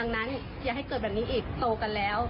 ดังนั้นอย่าให้เกิดแบบนี้อีกโตกันแล้ว